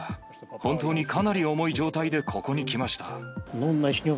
本当にかなり重い状態でここに来ました。